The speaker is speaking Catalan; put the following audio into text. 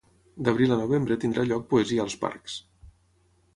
D'abril a novembre tindrà lloc Poesia als parcs.